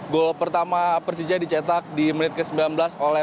gol pertama persija dicetak di menit ke sembilan belas oleh